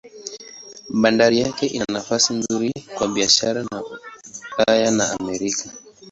Bandari yake ina nafasi nzuri kwa biashara na Ulaya na Amerika.